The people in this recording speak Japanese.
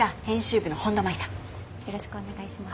よろしくお願いします。